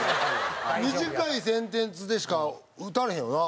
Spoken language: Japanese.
短いセンテンスでしか打たれへんよな？